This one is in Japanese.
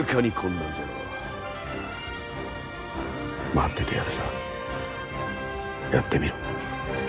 待っててやるさやってみろ。